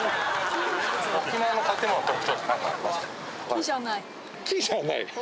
木じゃない？